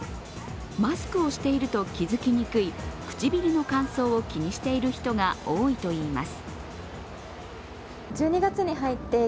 マスクをしていると気付きにくい唇の乾燥を気にしている人が多いといいます。